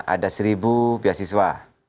ada satu beasiswa